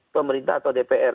pemerintah atau dpr